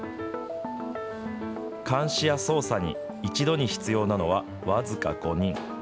監視や操作に一度に必要なのは僅か５人。